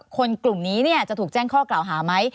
คนกลุ่มนี้จะถูกแจ้งข้อกล่าวหาไหม